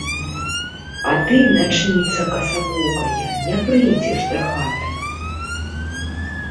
А ты, начніца касавокая, не прыйдзеш дахаты.